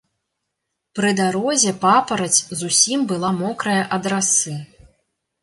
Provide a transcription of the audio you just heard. Пры дарозе папараць зусім была мокрая ад расы.